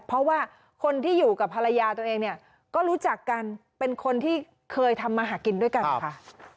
เพราะว่าคนที่อยู่กับภรรยาตัวเองเนี่ยก็รู้จักกันเป็นคนที่เคยทำมาหากินด้วยกันค่ะ